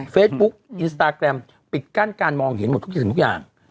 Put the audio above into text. เฟซบุ๊กอินสตาแกรมปิดกั้นการมองเห็นหมดทุกสิ่งทุกอย่าง